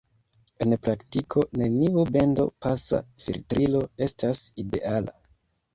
En praktiko, neniu bendo-pasa filtrilo estas ideala.